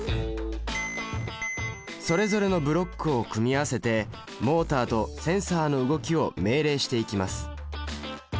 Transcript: それぞれのブロックを組み合わせてモータとセンサの動きを命令していきます。